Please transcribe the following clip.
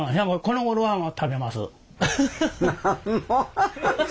このごろは食べます。